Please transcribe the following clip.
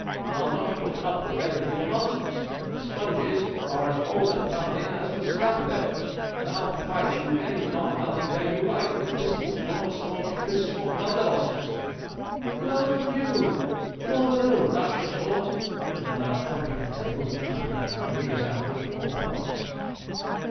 I'll not put up with any of your nonsense. The Sponges are as old a family as the Scamperdales, and I'll fight you any non hunting day you like with pistols, broadswords, fists or blunder busses."' 'Well done you! Bravo! that's your sort!' with loud thumping of tables and clapping of hands, resounded from all parts.